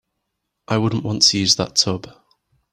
I wouldn't want to use that tub.